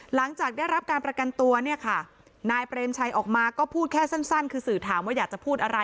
หลังจากได้รับการประกันตัวเนี่ยค่ะนายเปรมชัยออกมาก็พูดแค่สั้นคือสื่อถามว่าอยากจะพูดอะไร